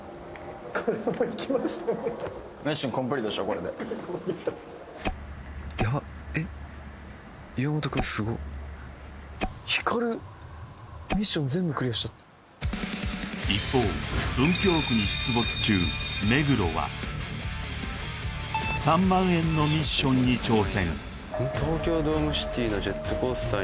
これで一方文京区に出没中目黒は３万円のミッションに挑戦